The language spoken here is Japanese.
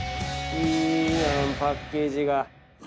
いいやんパッケージが。